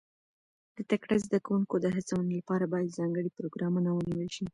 د تکړه زده کوونکو د هڅونې لپاره باید ځانګړي پروګرامونه ونیول شي.